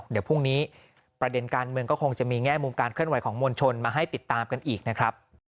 เดี๋ยวพรุ่งนี้ประเด็นการเมืองก็คงจะมีแง่มุมการเคลื่อนไหวของมวลชนมาให้ติดตามกันอีกนะครับ